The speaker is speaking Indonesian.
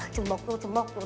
cumbuk tuh cumbuk tuh